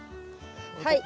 はい！